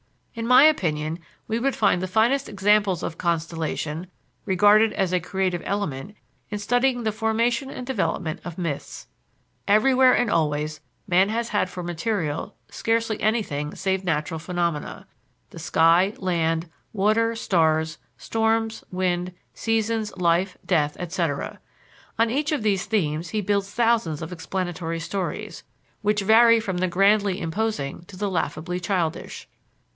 In my opinion we would find the finest examples of "constellation," regarded as a creative element, in studying the formation and development of myths. Everywhere and always man has had for material scarcely anything save natural phenomena the sky, land, water, stars, storms, wind, seasons, life, death, etc. On each of these themes he builds thousands of explanatory stories, which vary from the grandly imposing to the laughably childish.